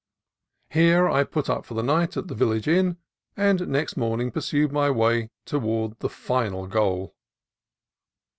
Here I put up for the night at the village inn, and next morning pursued my way to ward the final goal.